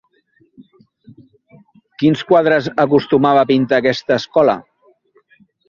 Quins quadres acostumava a pintar aquesta escola?